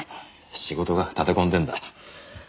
仕事が立て込んでるんだ。